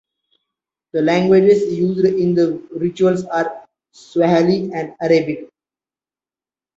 The languages used in these rituals are Swahili and Arabic.